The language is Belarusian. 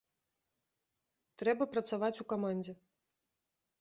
Трэба працаваць у камандзе.